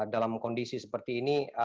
dalam kondisi seperti ini